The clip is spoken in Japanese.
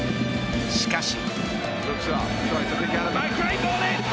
しかし。